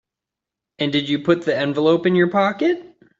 And did you put the envelope in your pocket?